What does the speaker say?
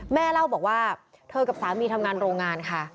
แม่เล่าบอกว่าเธอกับสามีทำงานโรงงานค่ะ